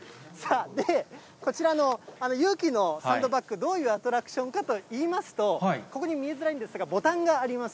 で、こちらの勇気のサンドバック、どういうアトラクションかといいますと、ここに見えづらいんですが、ボタンがあります。